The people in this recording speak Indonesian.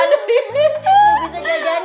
nggak bisa jaganin ya